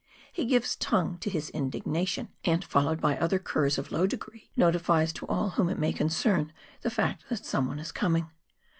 He gives tongue to his indignation, and, followed by other " curs of low degree," notifies to all whom it may concern the fact that someone is coming.